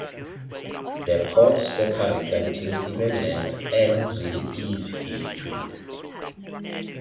The Cords separate until Steven learns Ann really is his twin.